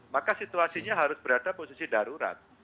maka situasinya harus berada posisi darurat